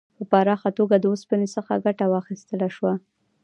په پراخه توګه له اوسپنې څخه ګټه واخیستل شوه.